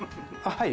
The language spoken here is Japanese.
はい。